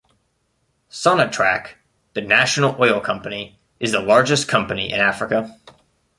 Sonatrach, the national oil company, is the largest company in Africa.